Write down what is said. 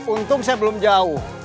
untung saya belum jauh